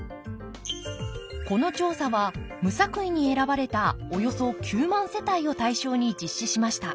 この調査は無作為に選ばれたおよそ９万世帯を対象に実施しました。